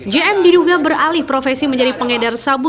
jm diduga beralih profesi menjadi pengedar sabu